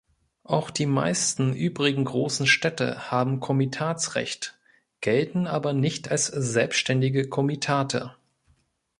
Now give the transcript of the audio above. Auch die meisten übrigen großen Städte haben Komitatsrecht, gelten aber nicht als selbstständige Komitate.